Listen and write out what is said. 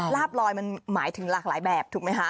ลาบลอยมันหมายถึงหลากหลายแบบถูกไหมคะ